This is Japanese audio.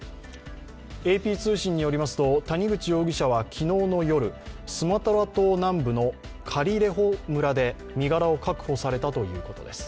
ＡＰ通信によりますと、谷口容疑者は昨日の夜スマトラ島南部のカリレホ村で身柄を確保されたということです。